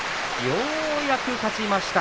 ようやく勝ちました。